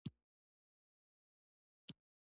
ته ګټونکی یې.